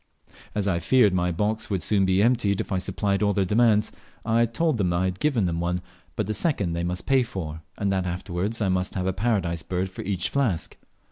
As I feared my box would very soon be emptied if I supplied all their demands, I told them I had given them one, but the second they must pay for, and that afterwards I must have a Paradise bird for each flask.